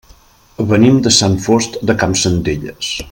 Venim de Sant Fost de Campsentelles.